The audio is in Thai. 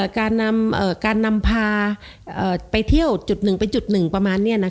การนำพาไปเที่ยวจุดหนึ่งไปจุดหนึ่งประมาณนี้